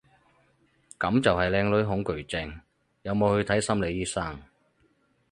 噉就係靚女恐懼症，有冇去睇心理醫生？